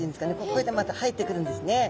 こうやって入ってくるんですね。